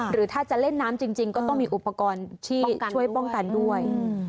หรือถ้าจะเล่นน้ำจริงก็ต้องมีอุปกรณ์ที่ช่วยป้องกันด้วย